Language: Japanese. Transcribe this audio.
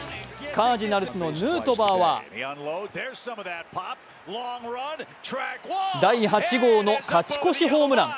カージナルスのヌートバーは第８号の勝ち越しホームラン。